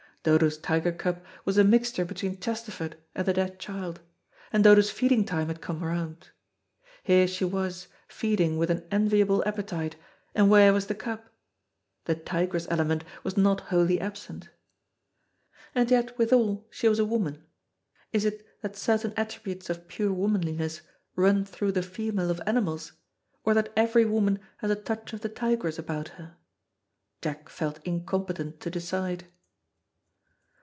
Dodo's tiger cub was a mixture between Chesterford and the dead child, and Dodo's feeding time had come round. Here she was feeding with an enviable appetite, and where was the cub? The tigress element was not wholly absent. And yet, withal, she was a woman. Is it that certain attributes of pure womanliness run through the female of animals, or that every woman has a touch of the tigress about her? Jack felt incompetent to decide.